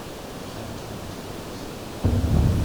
Bɣan-kent kennemti.